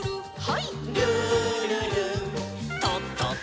はい。